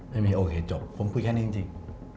โอเคจบผมคุยแค่นี้จริง